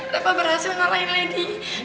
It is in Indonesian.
rapah berhasil ngalahin lady